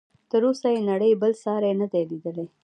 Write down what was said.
تر اوسه یې نړۍ بل ساری نه دی لیدلی.